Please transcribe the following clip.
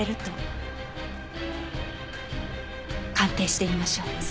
鑑定してみましょう。